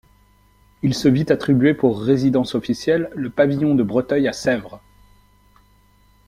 Il se vit attribuer pour résidence officielle le Pavillon de Breteuil à Sèvres.